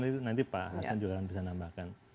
saya kira nanti pak hasan juga akan bisa menambahkan